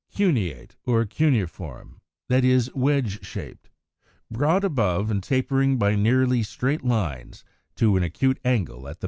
Cuneate or Cuneiform, that is, Wedge shaped (Fig. 124), broad above and tapering by nearly straight lines to an acute angle at the base.